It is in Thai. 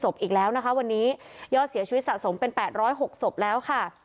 อีกแล้วนะคะวันนี้ยอดเสียชีวิตสะสมเป็น๘๐๖ศพแล้วค่ะ